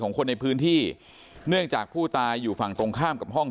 คนในพื้นที่เนื่องจากผู้ตายอยู่ฝั่งตรงข้ามกับห้อง